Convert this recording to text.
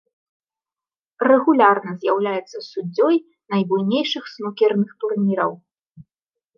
Рэгулярна з'яўляецца суддзёй найбуйнейшых снукерных турніраў.